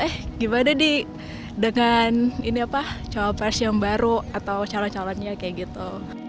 eh gimana nih dengan ini apa cawapres yang baru atau calon calonnya kayak gitu